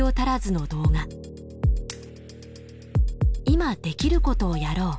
「今できることをやろう」